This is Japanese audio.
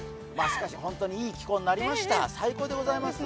しかし本当にいい気候になりました、最高です。